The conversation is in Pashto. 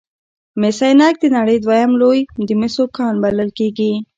مس عینک د نړۍ دویم لوی د مسو کان بلل کیږي.